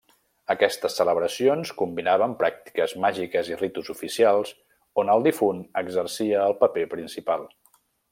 Aquestes celebracions combinaven pràctiques màgiques i ritus oficials on el difunt exercia el paper principal.